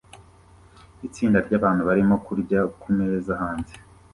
Itsinda ryabantu barimo kurya kumeza hanze